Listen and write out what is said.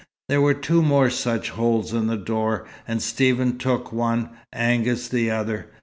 There were two more such holes in the door, and Stephen took one, Angus the other.